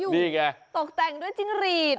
ตกแต่งด้วยจิ้งหลีด